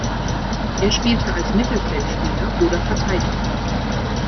Er spielte als Mittelfeldspieler oder Verteidiger.